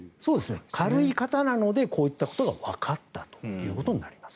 軽い方なのでこういったことがわかったということになります。